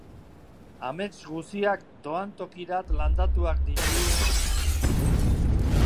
Amets guziak doan tokirat landatuak ditu...